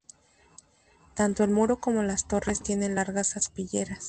Tanto el muro como las torres tienen largas aspilleras.